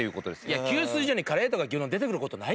いや給水所にカレーとか牛丼出てくる事ないから。